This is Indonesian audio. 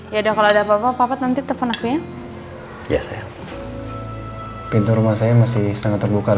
ya udah kalau ada papa papa nanti telepon aku ya iya saya pintu rumah saya masih sangat terbuka